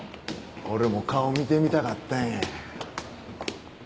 俺も顔見てみたかったんや。